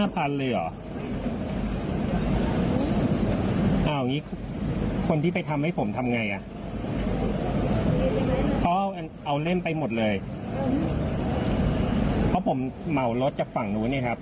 เพราะผมเหมารถจากฝั่งนู้นเนี่ยครับ